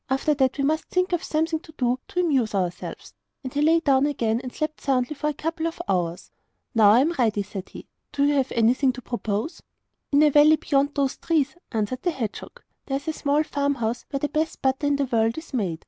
After that we must think of something to do to amuse ourselves.' And he lay down again and slept soundly for a couple of hours. 'Now I am ready,' said he; 'have you anything to propose?' 'In a valley beyond those trees,' answered the hedgehog, 'there is a small farmhouse where the best butter in the world is made.